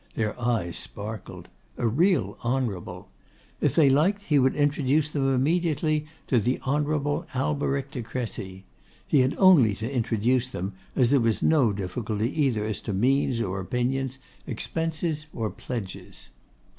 Their eyes sparkled. A real honourable. If they liked he would introduce them immediately to the Honourable Alberic de Crecy. He had only to introduce them, as there was no difficulty either as to means or opinions, expenses or pledges.